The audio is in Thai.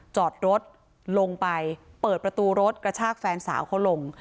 จอดรถลงไปเปิดประตูรถกระชากแฟนสาวเขาลง